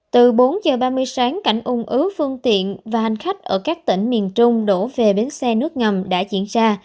từ bốn h ba mươi sáng cảnh ung ứ phương tiện và hành khách ở các tỉnh miền trung đổ về bến xe nước ngầm đã diễn ra